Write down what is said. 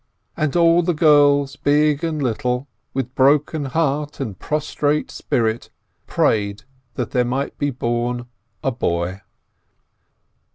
And all the girls, little and big, with broken heart and prostrate spirit, prayed that there might be born a boy.